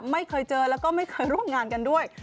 ไม่เคยเจอแล้วก็ไม่เคยร่วมงานกันด้วย